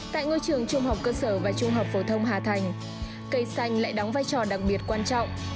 tại ngôi trường trung học cơ sở và trung học phổ thông hà thành cây xanh lại đóng vai trò đặc biệt quan trọng